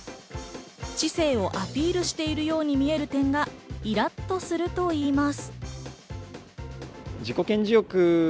知性をアピールしているように見える点がイラっとするといいます。